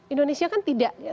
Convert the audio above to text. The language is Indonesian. indonesia kan tidak